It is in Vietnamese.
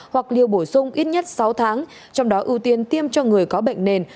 hoặc liều bổ sung ít nhất sáu tháng trong đó ưu tiên tiêm cho người có bệnh nền